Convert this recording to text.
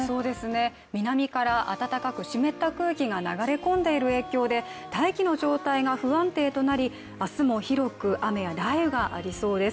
南から暖かく湿った空気が流れ込んでいる影響で、大気の状態が不安定となり明日も広く雨や雷雨がありそうです。